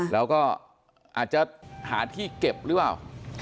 แล้วก็อาจจะหาที่เก็บหรือเปล่า